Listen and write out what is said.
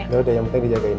ya udah yang penting dijagain